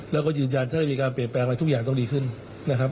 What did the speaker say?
แล้วก็ยืนยันถ้ามีการเปลี่ยนแปลงอะไรทุกอย่างต้องดีขึ้นนะครับ